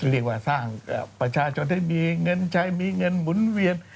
เรียกว่าสร้างประชาชนให้มีเงินใช้มีเงินหมุนเวียน